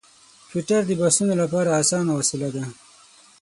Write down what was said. ټویټر د بحثونو لپاره اسانه وسیله ده.